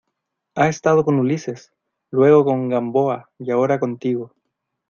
ha estado con Ulises, luego con Gamboa y ahora contigo.